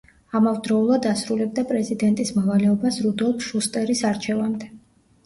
ამავდროულად ასრულებდა პრეზიდენტის მოვალეობას რუდოლფ შუსტერის არჩევამდე.